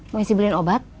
mau isi beli obat